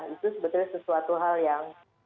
itu sebetulnya sesuatu hal yang